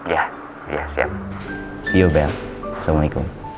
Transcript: ya ya siap see you bel assalamualaikum